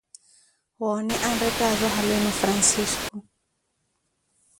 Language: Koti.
Woone anrettaazo halu enu Francisco.